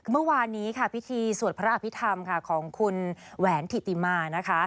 เมื่อวานนี้ค่ะพิธีสวดพระอภิษฐรรมค่ะของคุณแหวนถิติมานะคะ